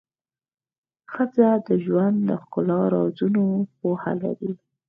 ښځه د ژوند د ښکلا د رازونو پوهه لري.